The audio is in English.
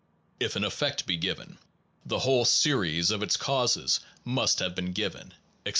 If an effect be given, the whole series of its causes must have been given, etc.